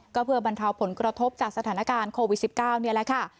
ก็เพื่อบรรเทาผลกระทบจากสถานการณ์โควิด๑๙นี่แหละค่ะ